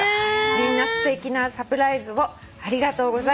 「みんなすてきなサプライズをありがとうございます」